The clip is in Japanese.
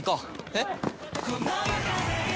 えっ？